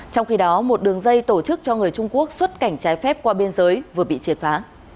trong khi đó một đường dây tổ chức cho người trung quốc xuất cảnh trái phép qua biên giới vừa bị triệt phá